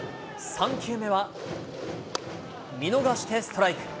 ３球目は、見逃してストライク。